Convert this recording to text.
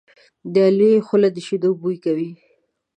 د علي خوله د شیدو بوی کوي.